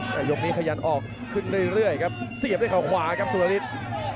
แต่ยกนี้ขยันออกขึ้นเรื่อยครับเสียบด้วยเขาขวาครับสุรฤทธิ์